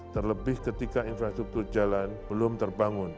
terlebih ketika infrastruktur jalan belum terbangun